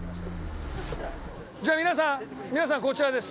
長嶋：じゃあ、皆さん皆さん、こちらです。